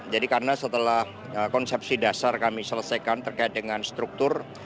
jadi karena setelah konsepsi dasar kami selesaikan terkait dengan struktur